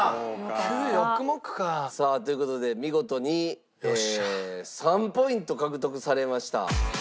さあという事で見事に３ポイント獲得されました。